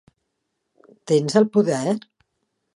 Tens el poder?